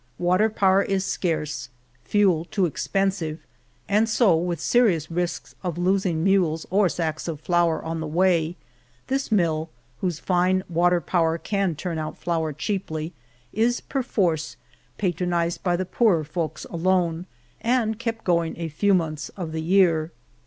Water power is scarce, fuel too expensive, and so with serious risks of losing mules or sacks of flour on the way, this mill, whose fine water power can turn out flour cheaply, is perforce patronized by the poorer folks alone, and kept going a few months of the year.